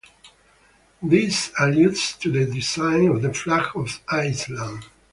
This alludes to the design of the flag of Iceland.